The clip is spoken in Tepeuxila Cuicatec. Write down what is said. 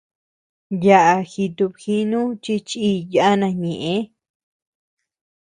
Yaʼa jitubjinu chi chíi yana ñëʼe.